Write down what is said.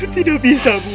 tidak bisa ibu